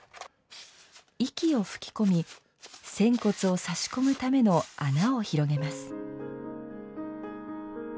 息を吹き込み、扇骨を差し込むための穴を広げます。